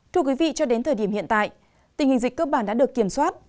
thưa quý vị cho đến thời điểm hiện tại tình hình dịch cơ bản đã được kiểm soát